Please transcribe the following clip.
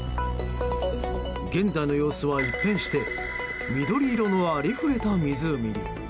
現在の様子は一変して緑色のありふれた湖に。